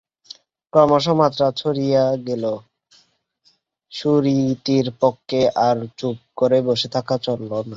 ক্রমশ মাত্রা ছাড়িয়ে গেল, সুরীতির পক্ষে আর চুপ করে বসে থাকা চলল না।